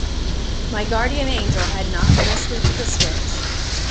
My guardian angel had not been asleep at the switch.